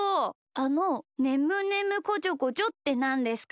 あの「ねむねむこちょこちょ」ってなんですか？